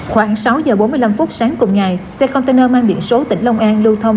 khoảng sáu giờ bốn mươi năm phút sáng cùng ngày xe container mang biển số tỉnh long an lưu thông